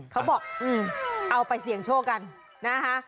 เขาบอกเอาไปเสี่ยงโชคกันนะคะ